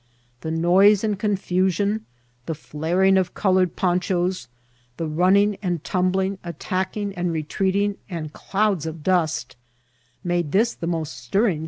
The noise and confusion, the flaring of coloured pon chas, the running and tumbling, attacking and retreat ing, and clouds of dust, made this the most stirring THE THBATEB.